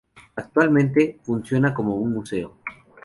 Actualmente, funciona como un museo.